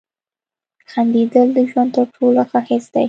• خندېدل د ژوند تر ټولو ښه حس دی.